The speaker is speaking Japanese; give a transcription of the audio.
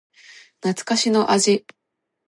懐かしの味